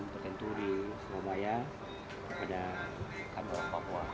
tertentu di sumabaya kepada kandungan papua